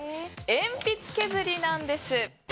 鉛筆削りなんです。